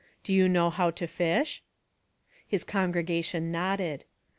Do you know how to fish ?" His congregation nodded.